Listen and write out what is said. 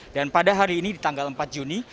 dan pada hari ini di tanggal empat juni